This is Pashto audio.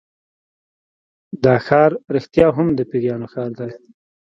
دا ښار رښتیا هم د پیریانو ښار دی.